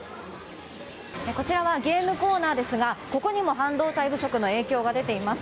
こちらはゲームコーナーですがここにも半導体不足影響が出ています。